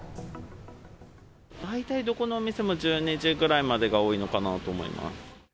大体どこのお店も１２時ぐらいまでが多いのかなと思います。